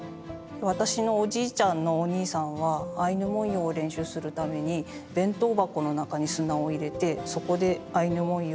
私のおじいちゃんのお兄さんはアイヌ文様を練習するために弁当箱の中に砂を入れてそこでアイヌ文様を描いていたと言ってます。